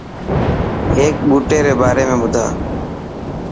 هيڪ ٻوٽي ري باري۾ ٻڌا.